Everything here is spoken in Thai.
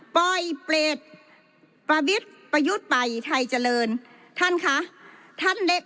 ปล่อยเปรตประวิทย์ประยุทธ์ไปไทยเจริญท่านคะท่านเล็ก